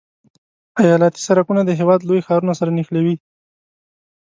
ایالتي سرکونه د هېواد لوی ښارونه سره نښلوي